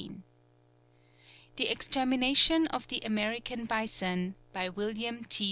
THE EXTERMINATION OF THE AMERICAN BISON, By WILLIAM T.